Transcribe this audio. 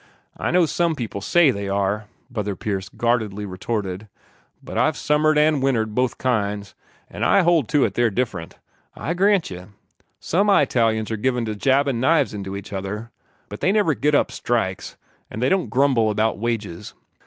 "I know some people SAY they are," Brother Pierce guardedly retorted "but I've summered an' wintered both kinds, an' I hold to it they're different. I grant ye, the Eyetalians ARE some given to jabbin' knives into each other, but they never git up strikes, an' they don't grumble about wages.